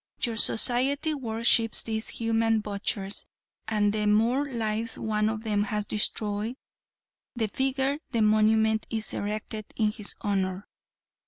Your society worships these human butchers and the more lives one of them has destroyed the bigger the monument is erected in his honor.